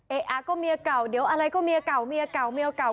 อ่ะก็เมียเก่าเดี๋ยวอะไรก็เมียเก่าเมียเก่าเมียเก่า